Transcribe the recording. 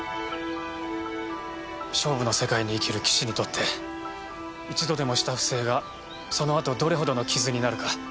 勝負の世界に生きる棋士にとって一度でもした不正がそのあとどれほどの傷になるか。